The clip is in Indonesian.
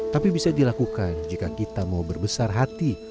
tapi bisa dilakukan jika kita mau berbesar hati